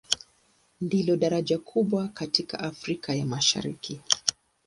Ndilo daraja kubwa katika Afrika ya Mashariki.